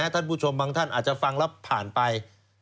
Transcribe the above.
ท่านผู้ชมบางท่านอาจจะฟังแล้วผ่านไป